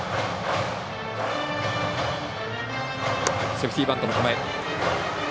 セーフティーバントの構え。